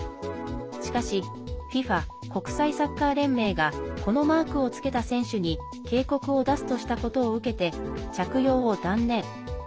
しかしＦＩＦＡ＝国際サッカー連盟がこのマークをつけた選手に警告を出すとしたことを受けて着用を断念。